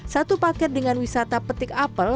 satu paket dengan wisata petik apel